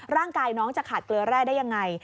ร่างกายน้องจะขาดเกลือแร่ได้ยังไง